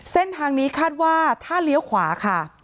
เส้นทางนี้คาดว่าถ้าเลี้ยวขวาค่ะ